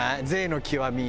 贅の極み。